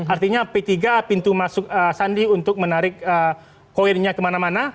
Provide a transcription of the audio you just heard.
artinya p tiga pintu masuk sandi untuk menarik koirnya kemana mana